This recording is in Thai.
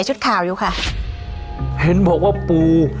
เจอเป็นผู้